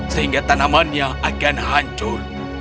sehingga tanaman akan hancur